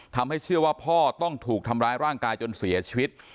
ทำให้เชื่อว่าพ่อต้องถูกทำร้ายร่างกายจนเสียชีวิต